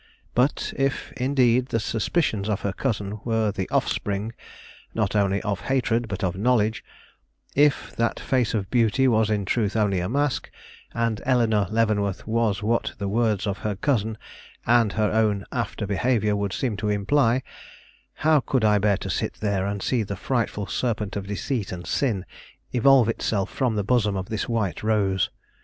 But if, indeed, the suspicions of her cousin were the offspring, not only of hatred, but of knowledge; if that face of beauty was in truth only a mask, and Eleanore Leavenworth was what the words of her cousin, and her own after behavior would seem to imply, how could I bear to sit there and see the frightful serpent of deceit and sin evolve itself from the bosom of this white rose!